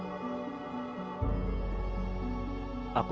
aku berusaha untuk bisa mengingatkan kamu